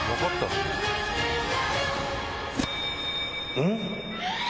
うん？